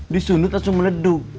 di sunut langsung meleduk